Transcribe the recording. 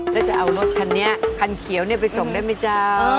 แล้วจะเอารถขันเนี้ยขันเขียวเนี้ยไปส่งได้มั้ยเจ้า